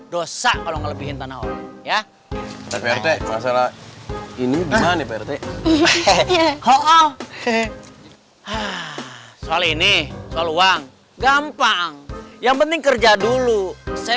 dosa kalau lebih tanah orang ya ini soal ini soal uang gampang yang penting kerja dulu saya